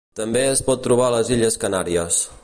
També es pot trobar a les Illes Canàries.